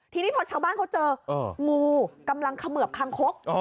ทีนี้พอชาวบ้านเขาเจองูกำลังเขมือบคางคก